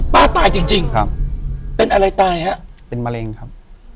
ตายจริงครับเป็นอะไรตายฮะเป็นมะเร็งครับ